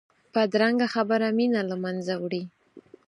بدرنګه خبره مینه له منځه وړي